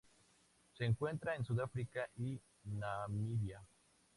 Se encuentra en Sudáfrica y Namibia.